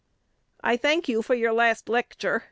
I thank you for your last lecture.